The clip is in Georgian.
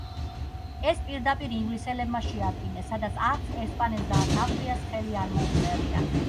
ეს პირდაპირ ინგლისელებმა შეადგინეს, სადაც არც ესპანეთს და არც ავსტრიას ხელი არ მოუწერია.